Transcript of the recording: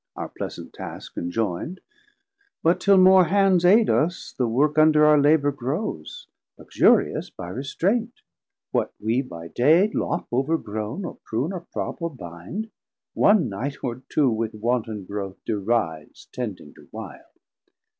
Our pleasant task enjoyn'd, but till more hands Aid us, the work under our labour grows, Luxurious by restraint; what we by day Lop overgrown, or prune, or prop, or bind, 210 One night or two with wanton growth derides Tending to wilde.